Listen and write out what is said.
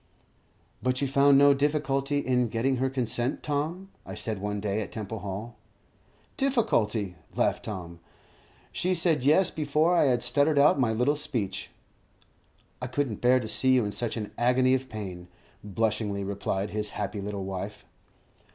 "But you found no difficulty in getting her consent, Tom?" I said one day at Temple Hall. "Difficulty!" laughed Tom. "She said 'Yes' before I had stuttered out my little speech." "I couldn't bear to see you in such an agony of pain," blushingly replied his happy little wife.